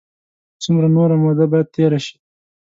څومره نوره موده باید تېره شي.